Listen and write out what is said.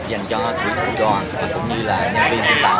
dành cho hành khách